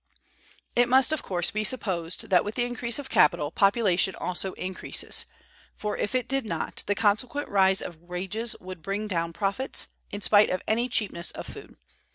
It must, of course, be supposed that, with the increase of capital, population also increases; for, if it did not, the consequent rise of wages would bring down profits, in spite of any cheapness of food.